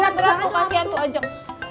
ratu ratu kasihan tuh ajak